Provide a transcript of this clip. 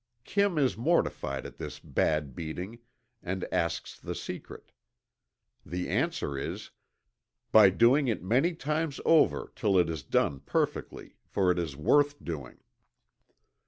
'" Kim is mortified at his bad beating, and asks the secret. The answer is: "By doing it many times over, till it is done perfectly, for it is worth doing."